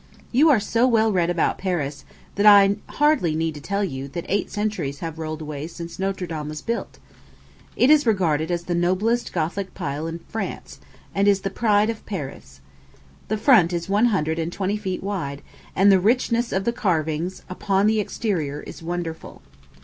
You are so well read about Paris, that I hardly need tell you that eight centuries have rolled away since Notre Dame was built. It is regarded as the noblest Gothic pile in France, and is the pride of Paris. The front is one hundred and twenty feet wide, and the richness of the carvings upon the exterior is wonderful.